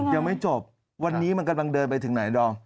ยังไม่จบวันนี้มันกำลังเดินไปถึงไหนดอม